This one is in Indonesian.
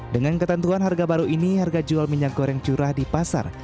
dengan ketentuan harga baru ini harga jual minyak goreng curah di pasar